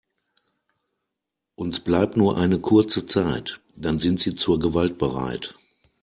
Uns bleibt nur eine kurze Zeit, dann sind sie zur Gewalt bereit.